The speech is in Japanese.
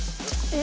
え！